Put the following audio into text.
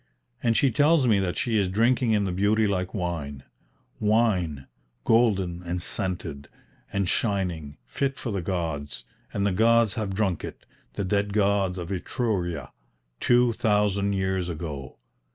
And she tells me that she is drinking in the beauty like wine, "wine, golden and scented, and shining, fit for the gods; and the gods have drunk it, the dead gods of Etruria, two thousand years ago.